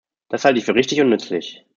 Das halte ich für richtig und nützlich.